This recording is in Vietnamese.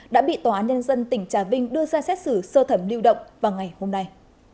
đã bị tòa án nhân dân tỉnh trà vinh đưa ra xét xử sơ thẩm lưu động vào ngày hôm nay